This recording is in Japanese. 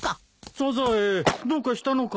サザエどうかしたのかい？